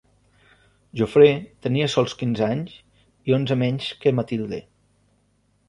Jofré tenia sols quinze anys i onze menys que Matilde.